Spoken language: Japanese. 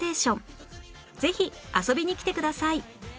ぜひ遊びに来てください